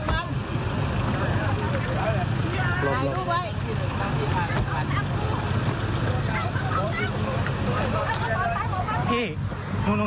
จะไปละนะมีฝึนนะมีฝึน